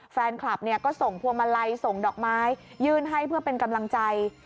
แฟนคลับเนี่ยก็ส่งพวงมาลัยส่งดอกไม้ยื่นให้เพื่อเป็นกำลังใจ